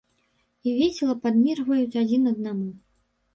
І весела падміргваюць адзін аднаму.